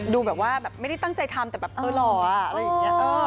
ดูแบบว่าแบบไม่ได้ตั้งใจทำแต่แบบเออหล่ออะไรอย่างนี้